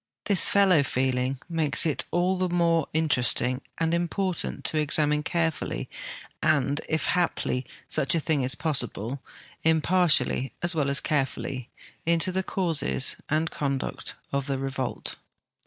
This fellow feeling makes it all the more interesting and important to examine carefull}'^ and, if haph' such a thing is possible, imjjartially as Avell as carefully, into the causes and conduct of the revolt.